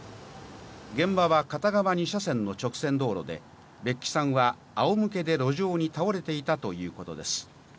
現場は片側２車線の直線道路で、別城さんはあお向けで路上に倒れていたということです。